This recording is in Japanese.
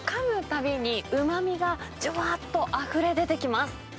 たびに、うまみがじゅわーっとあふれ出てきます。